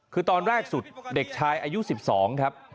คือตอนแรกสุดเด็กชายอายุ๑๒ครับ